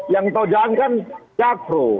yang tau jalan kan jakpro